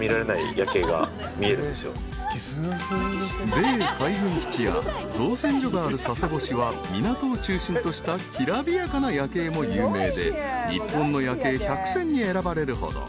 ［米海軍基地や造船所がある佐世保市は港を中心としたきらびやかな夜景も有名で日本の夜景１００選に選ばれるほど］